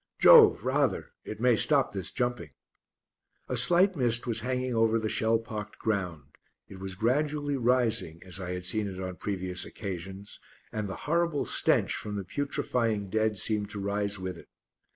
"Jove, rather! It may stop this jumping." A slight mist was hanging over the shell pocked ground, it was gradually rising, as I had seen it on previous occasions, and the horrible stench from the putrifying dead seemed to rise with it.